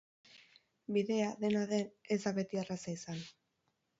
Bidea, dena den, ez da beti erraza izan.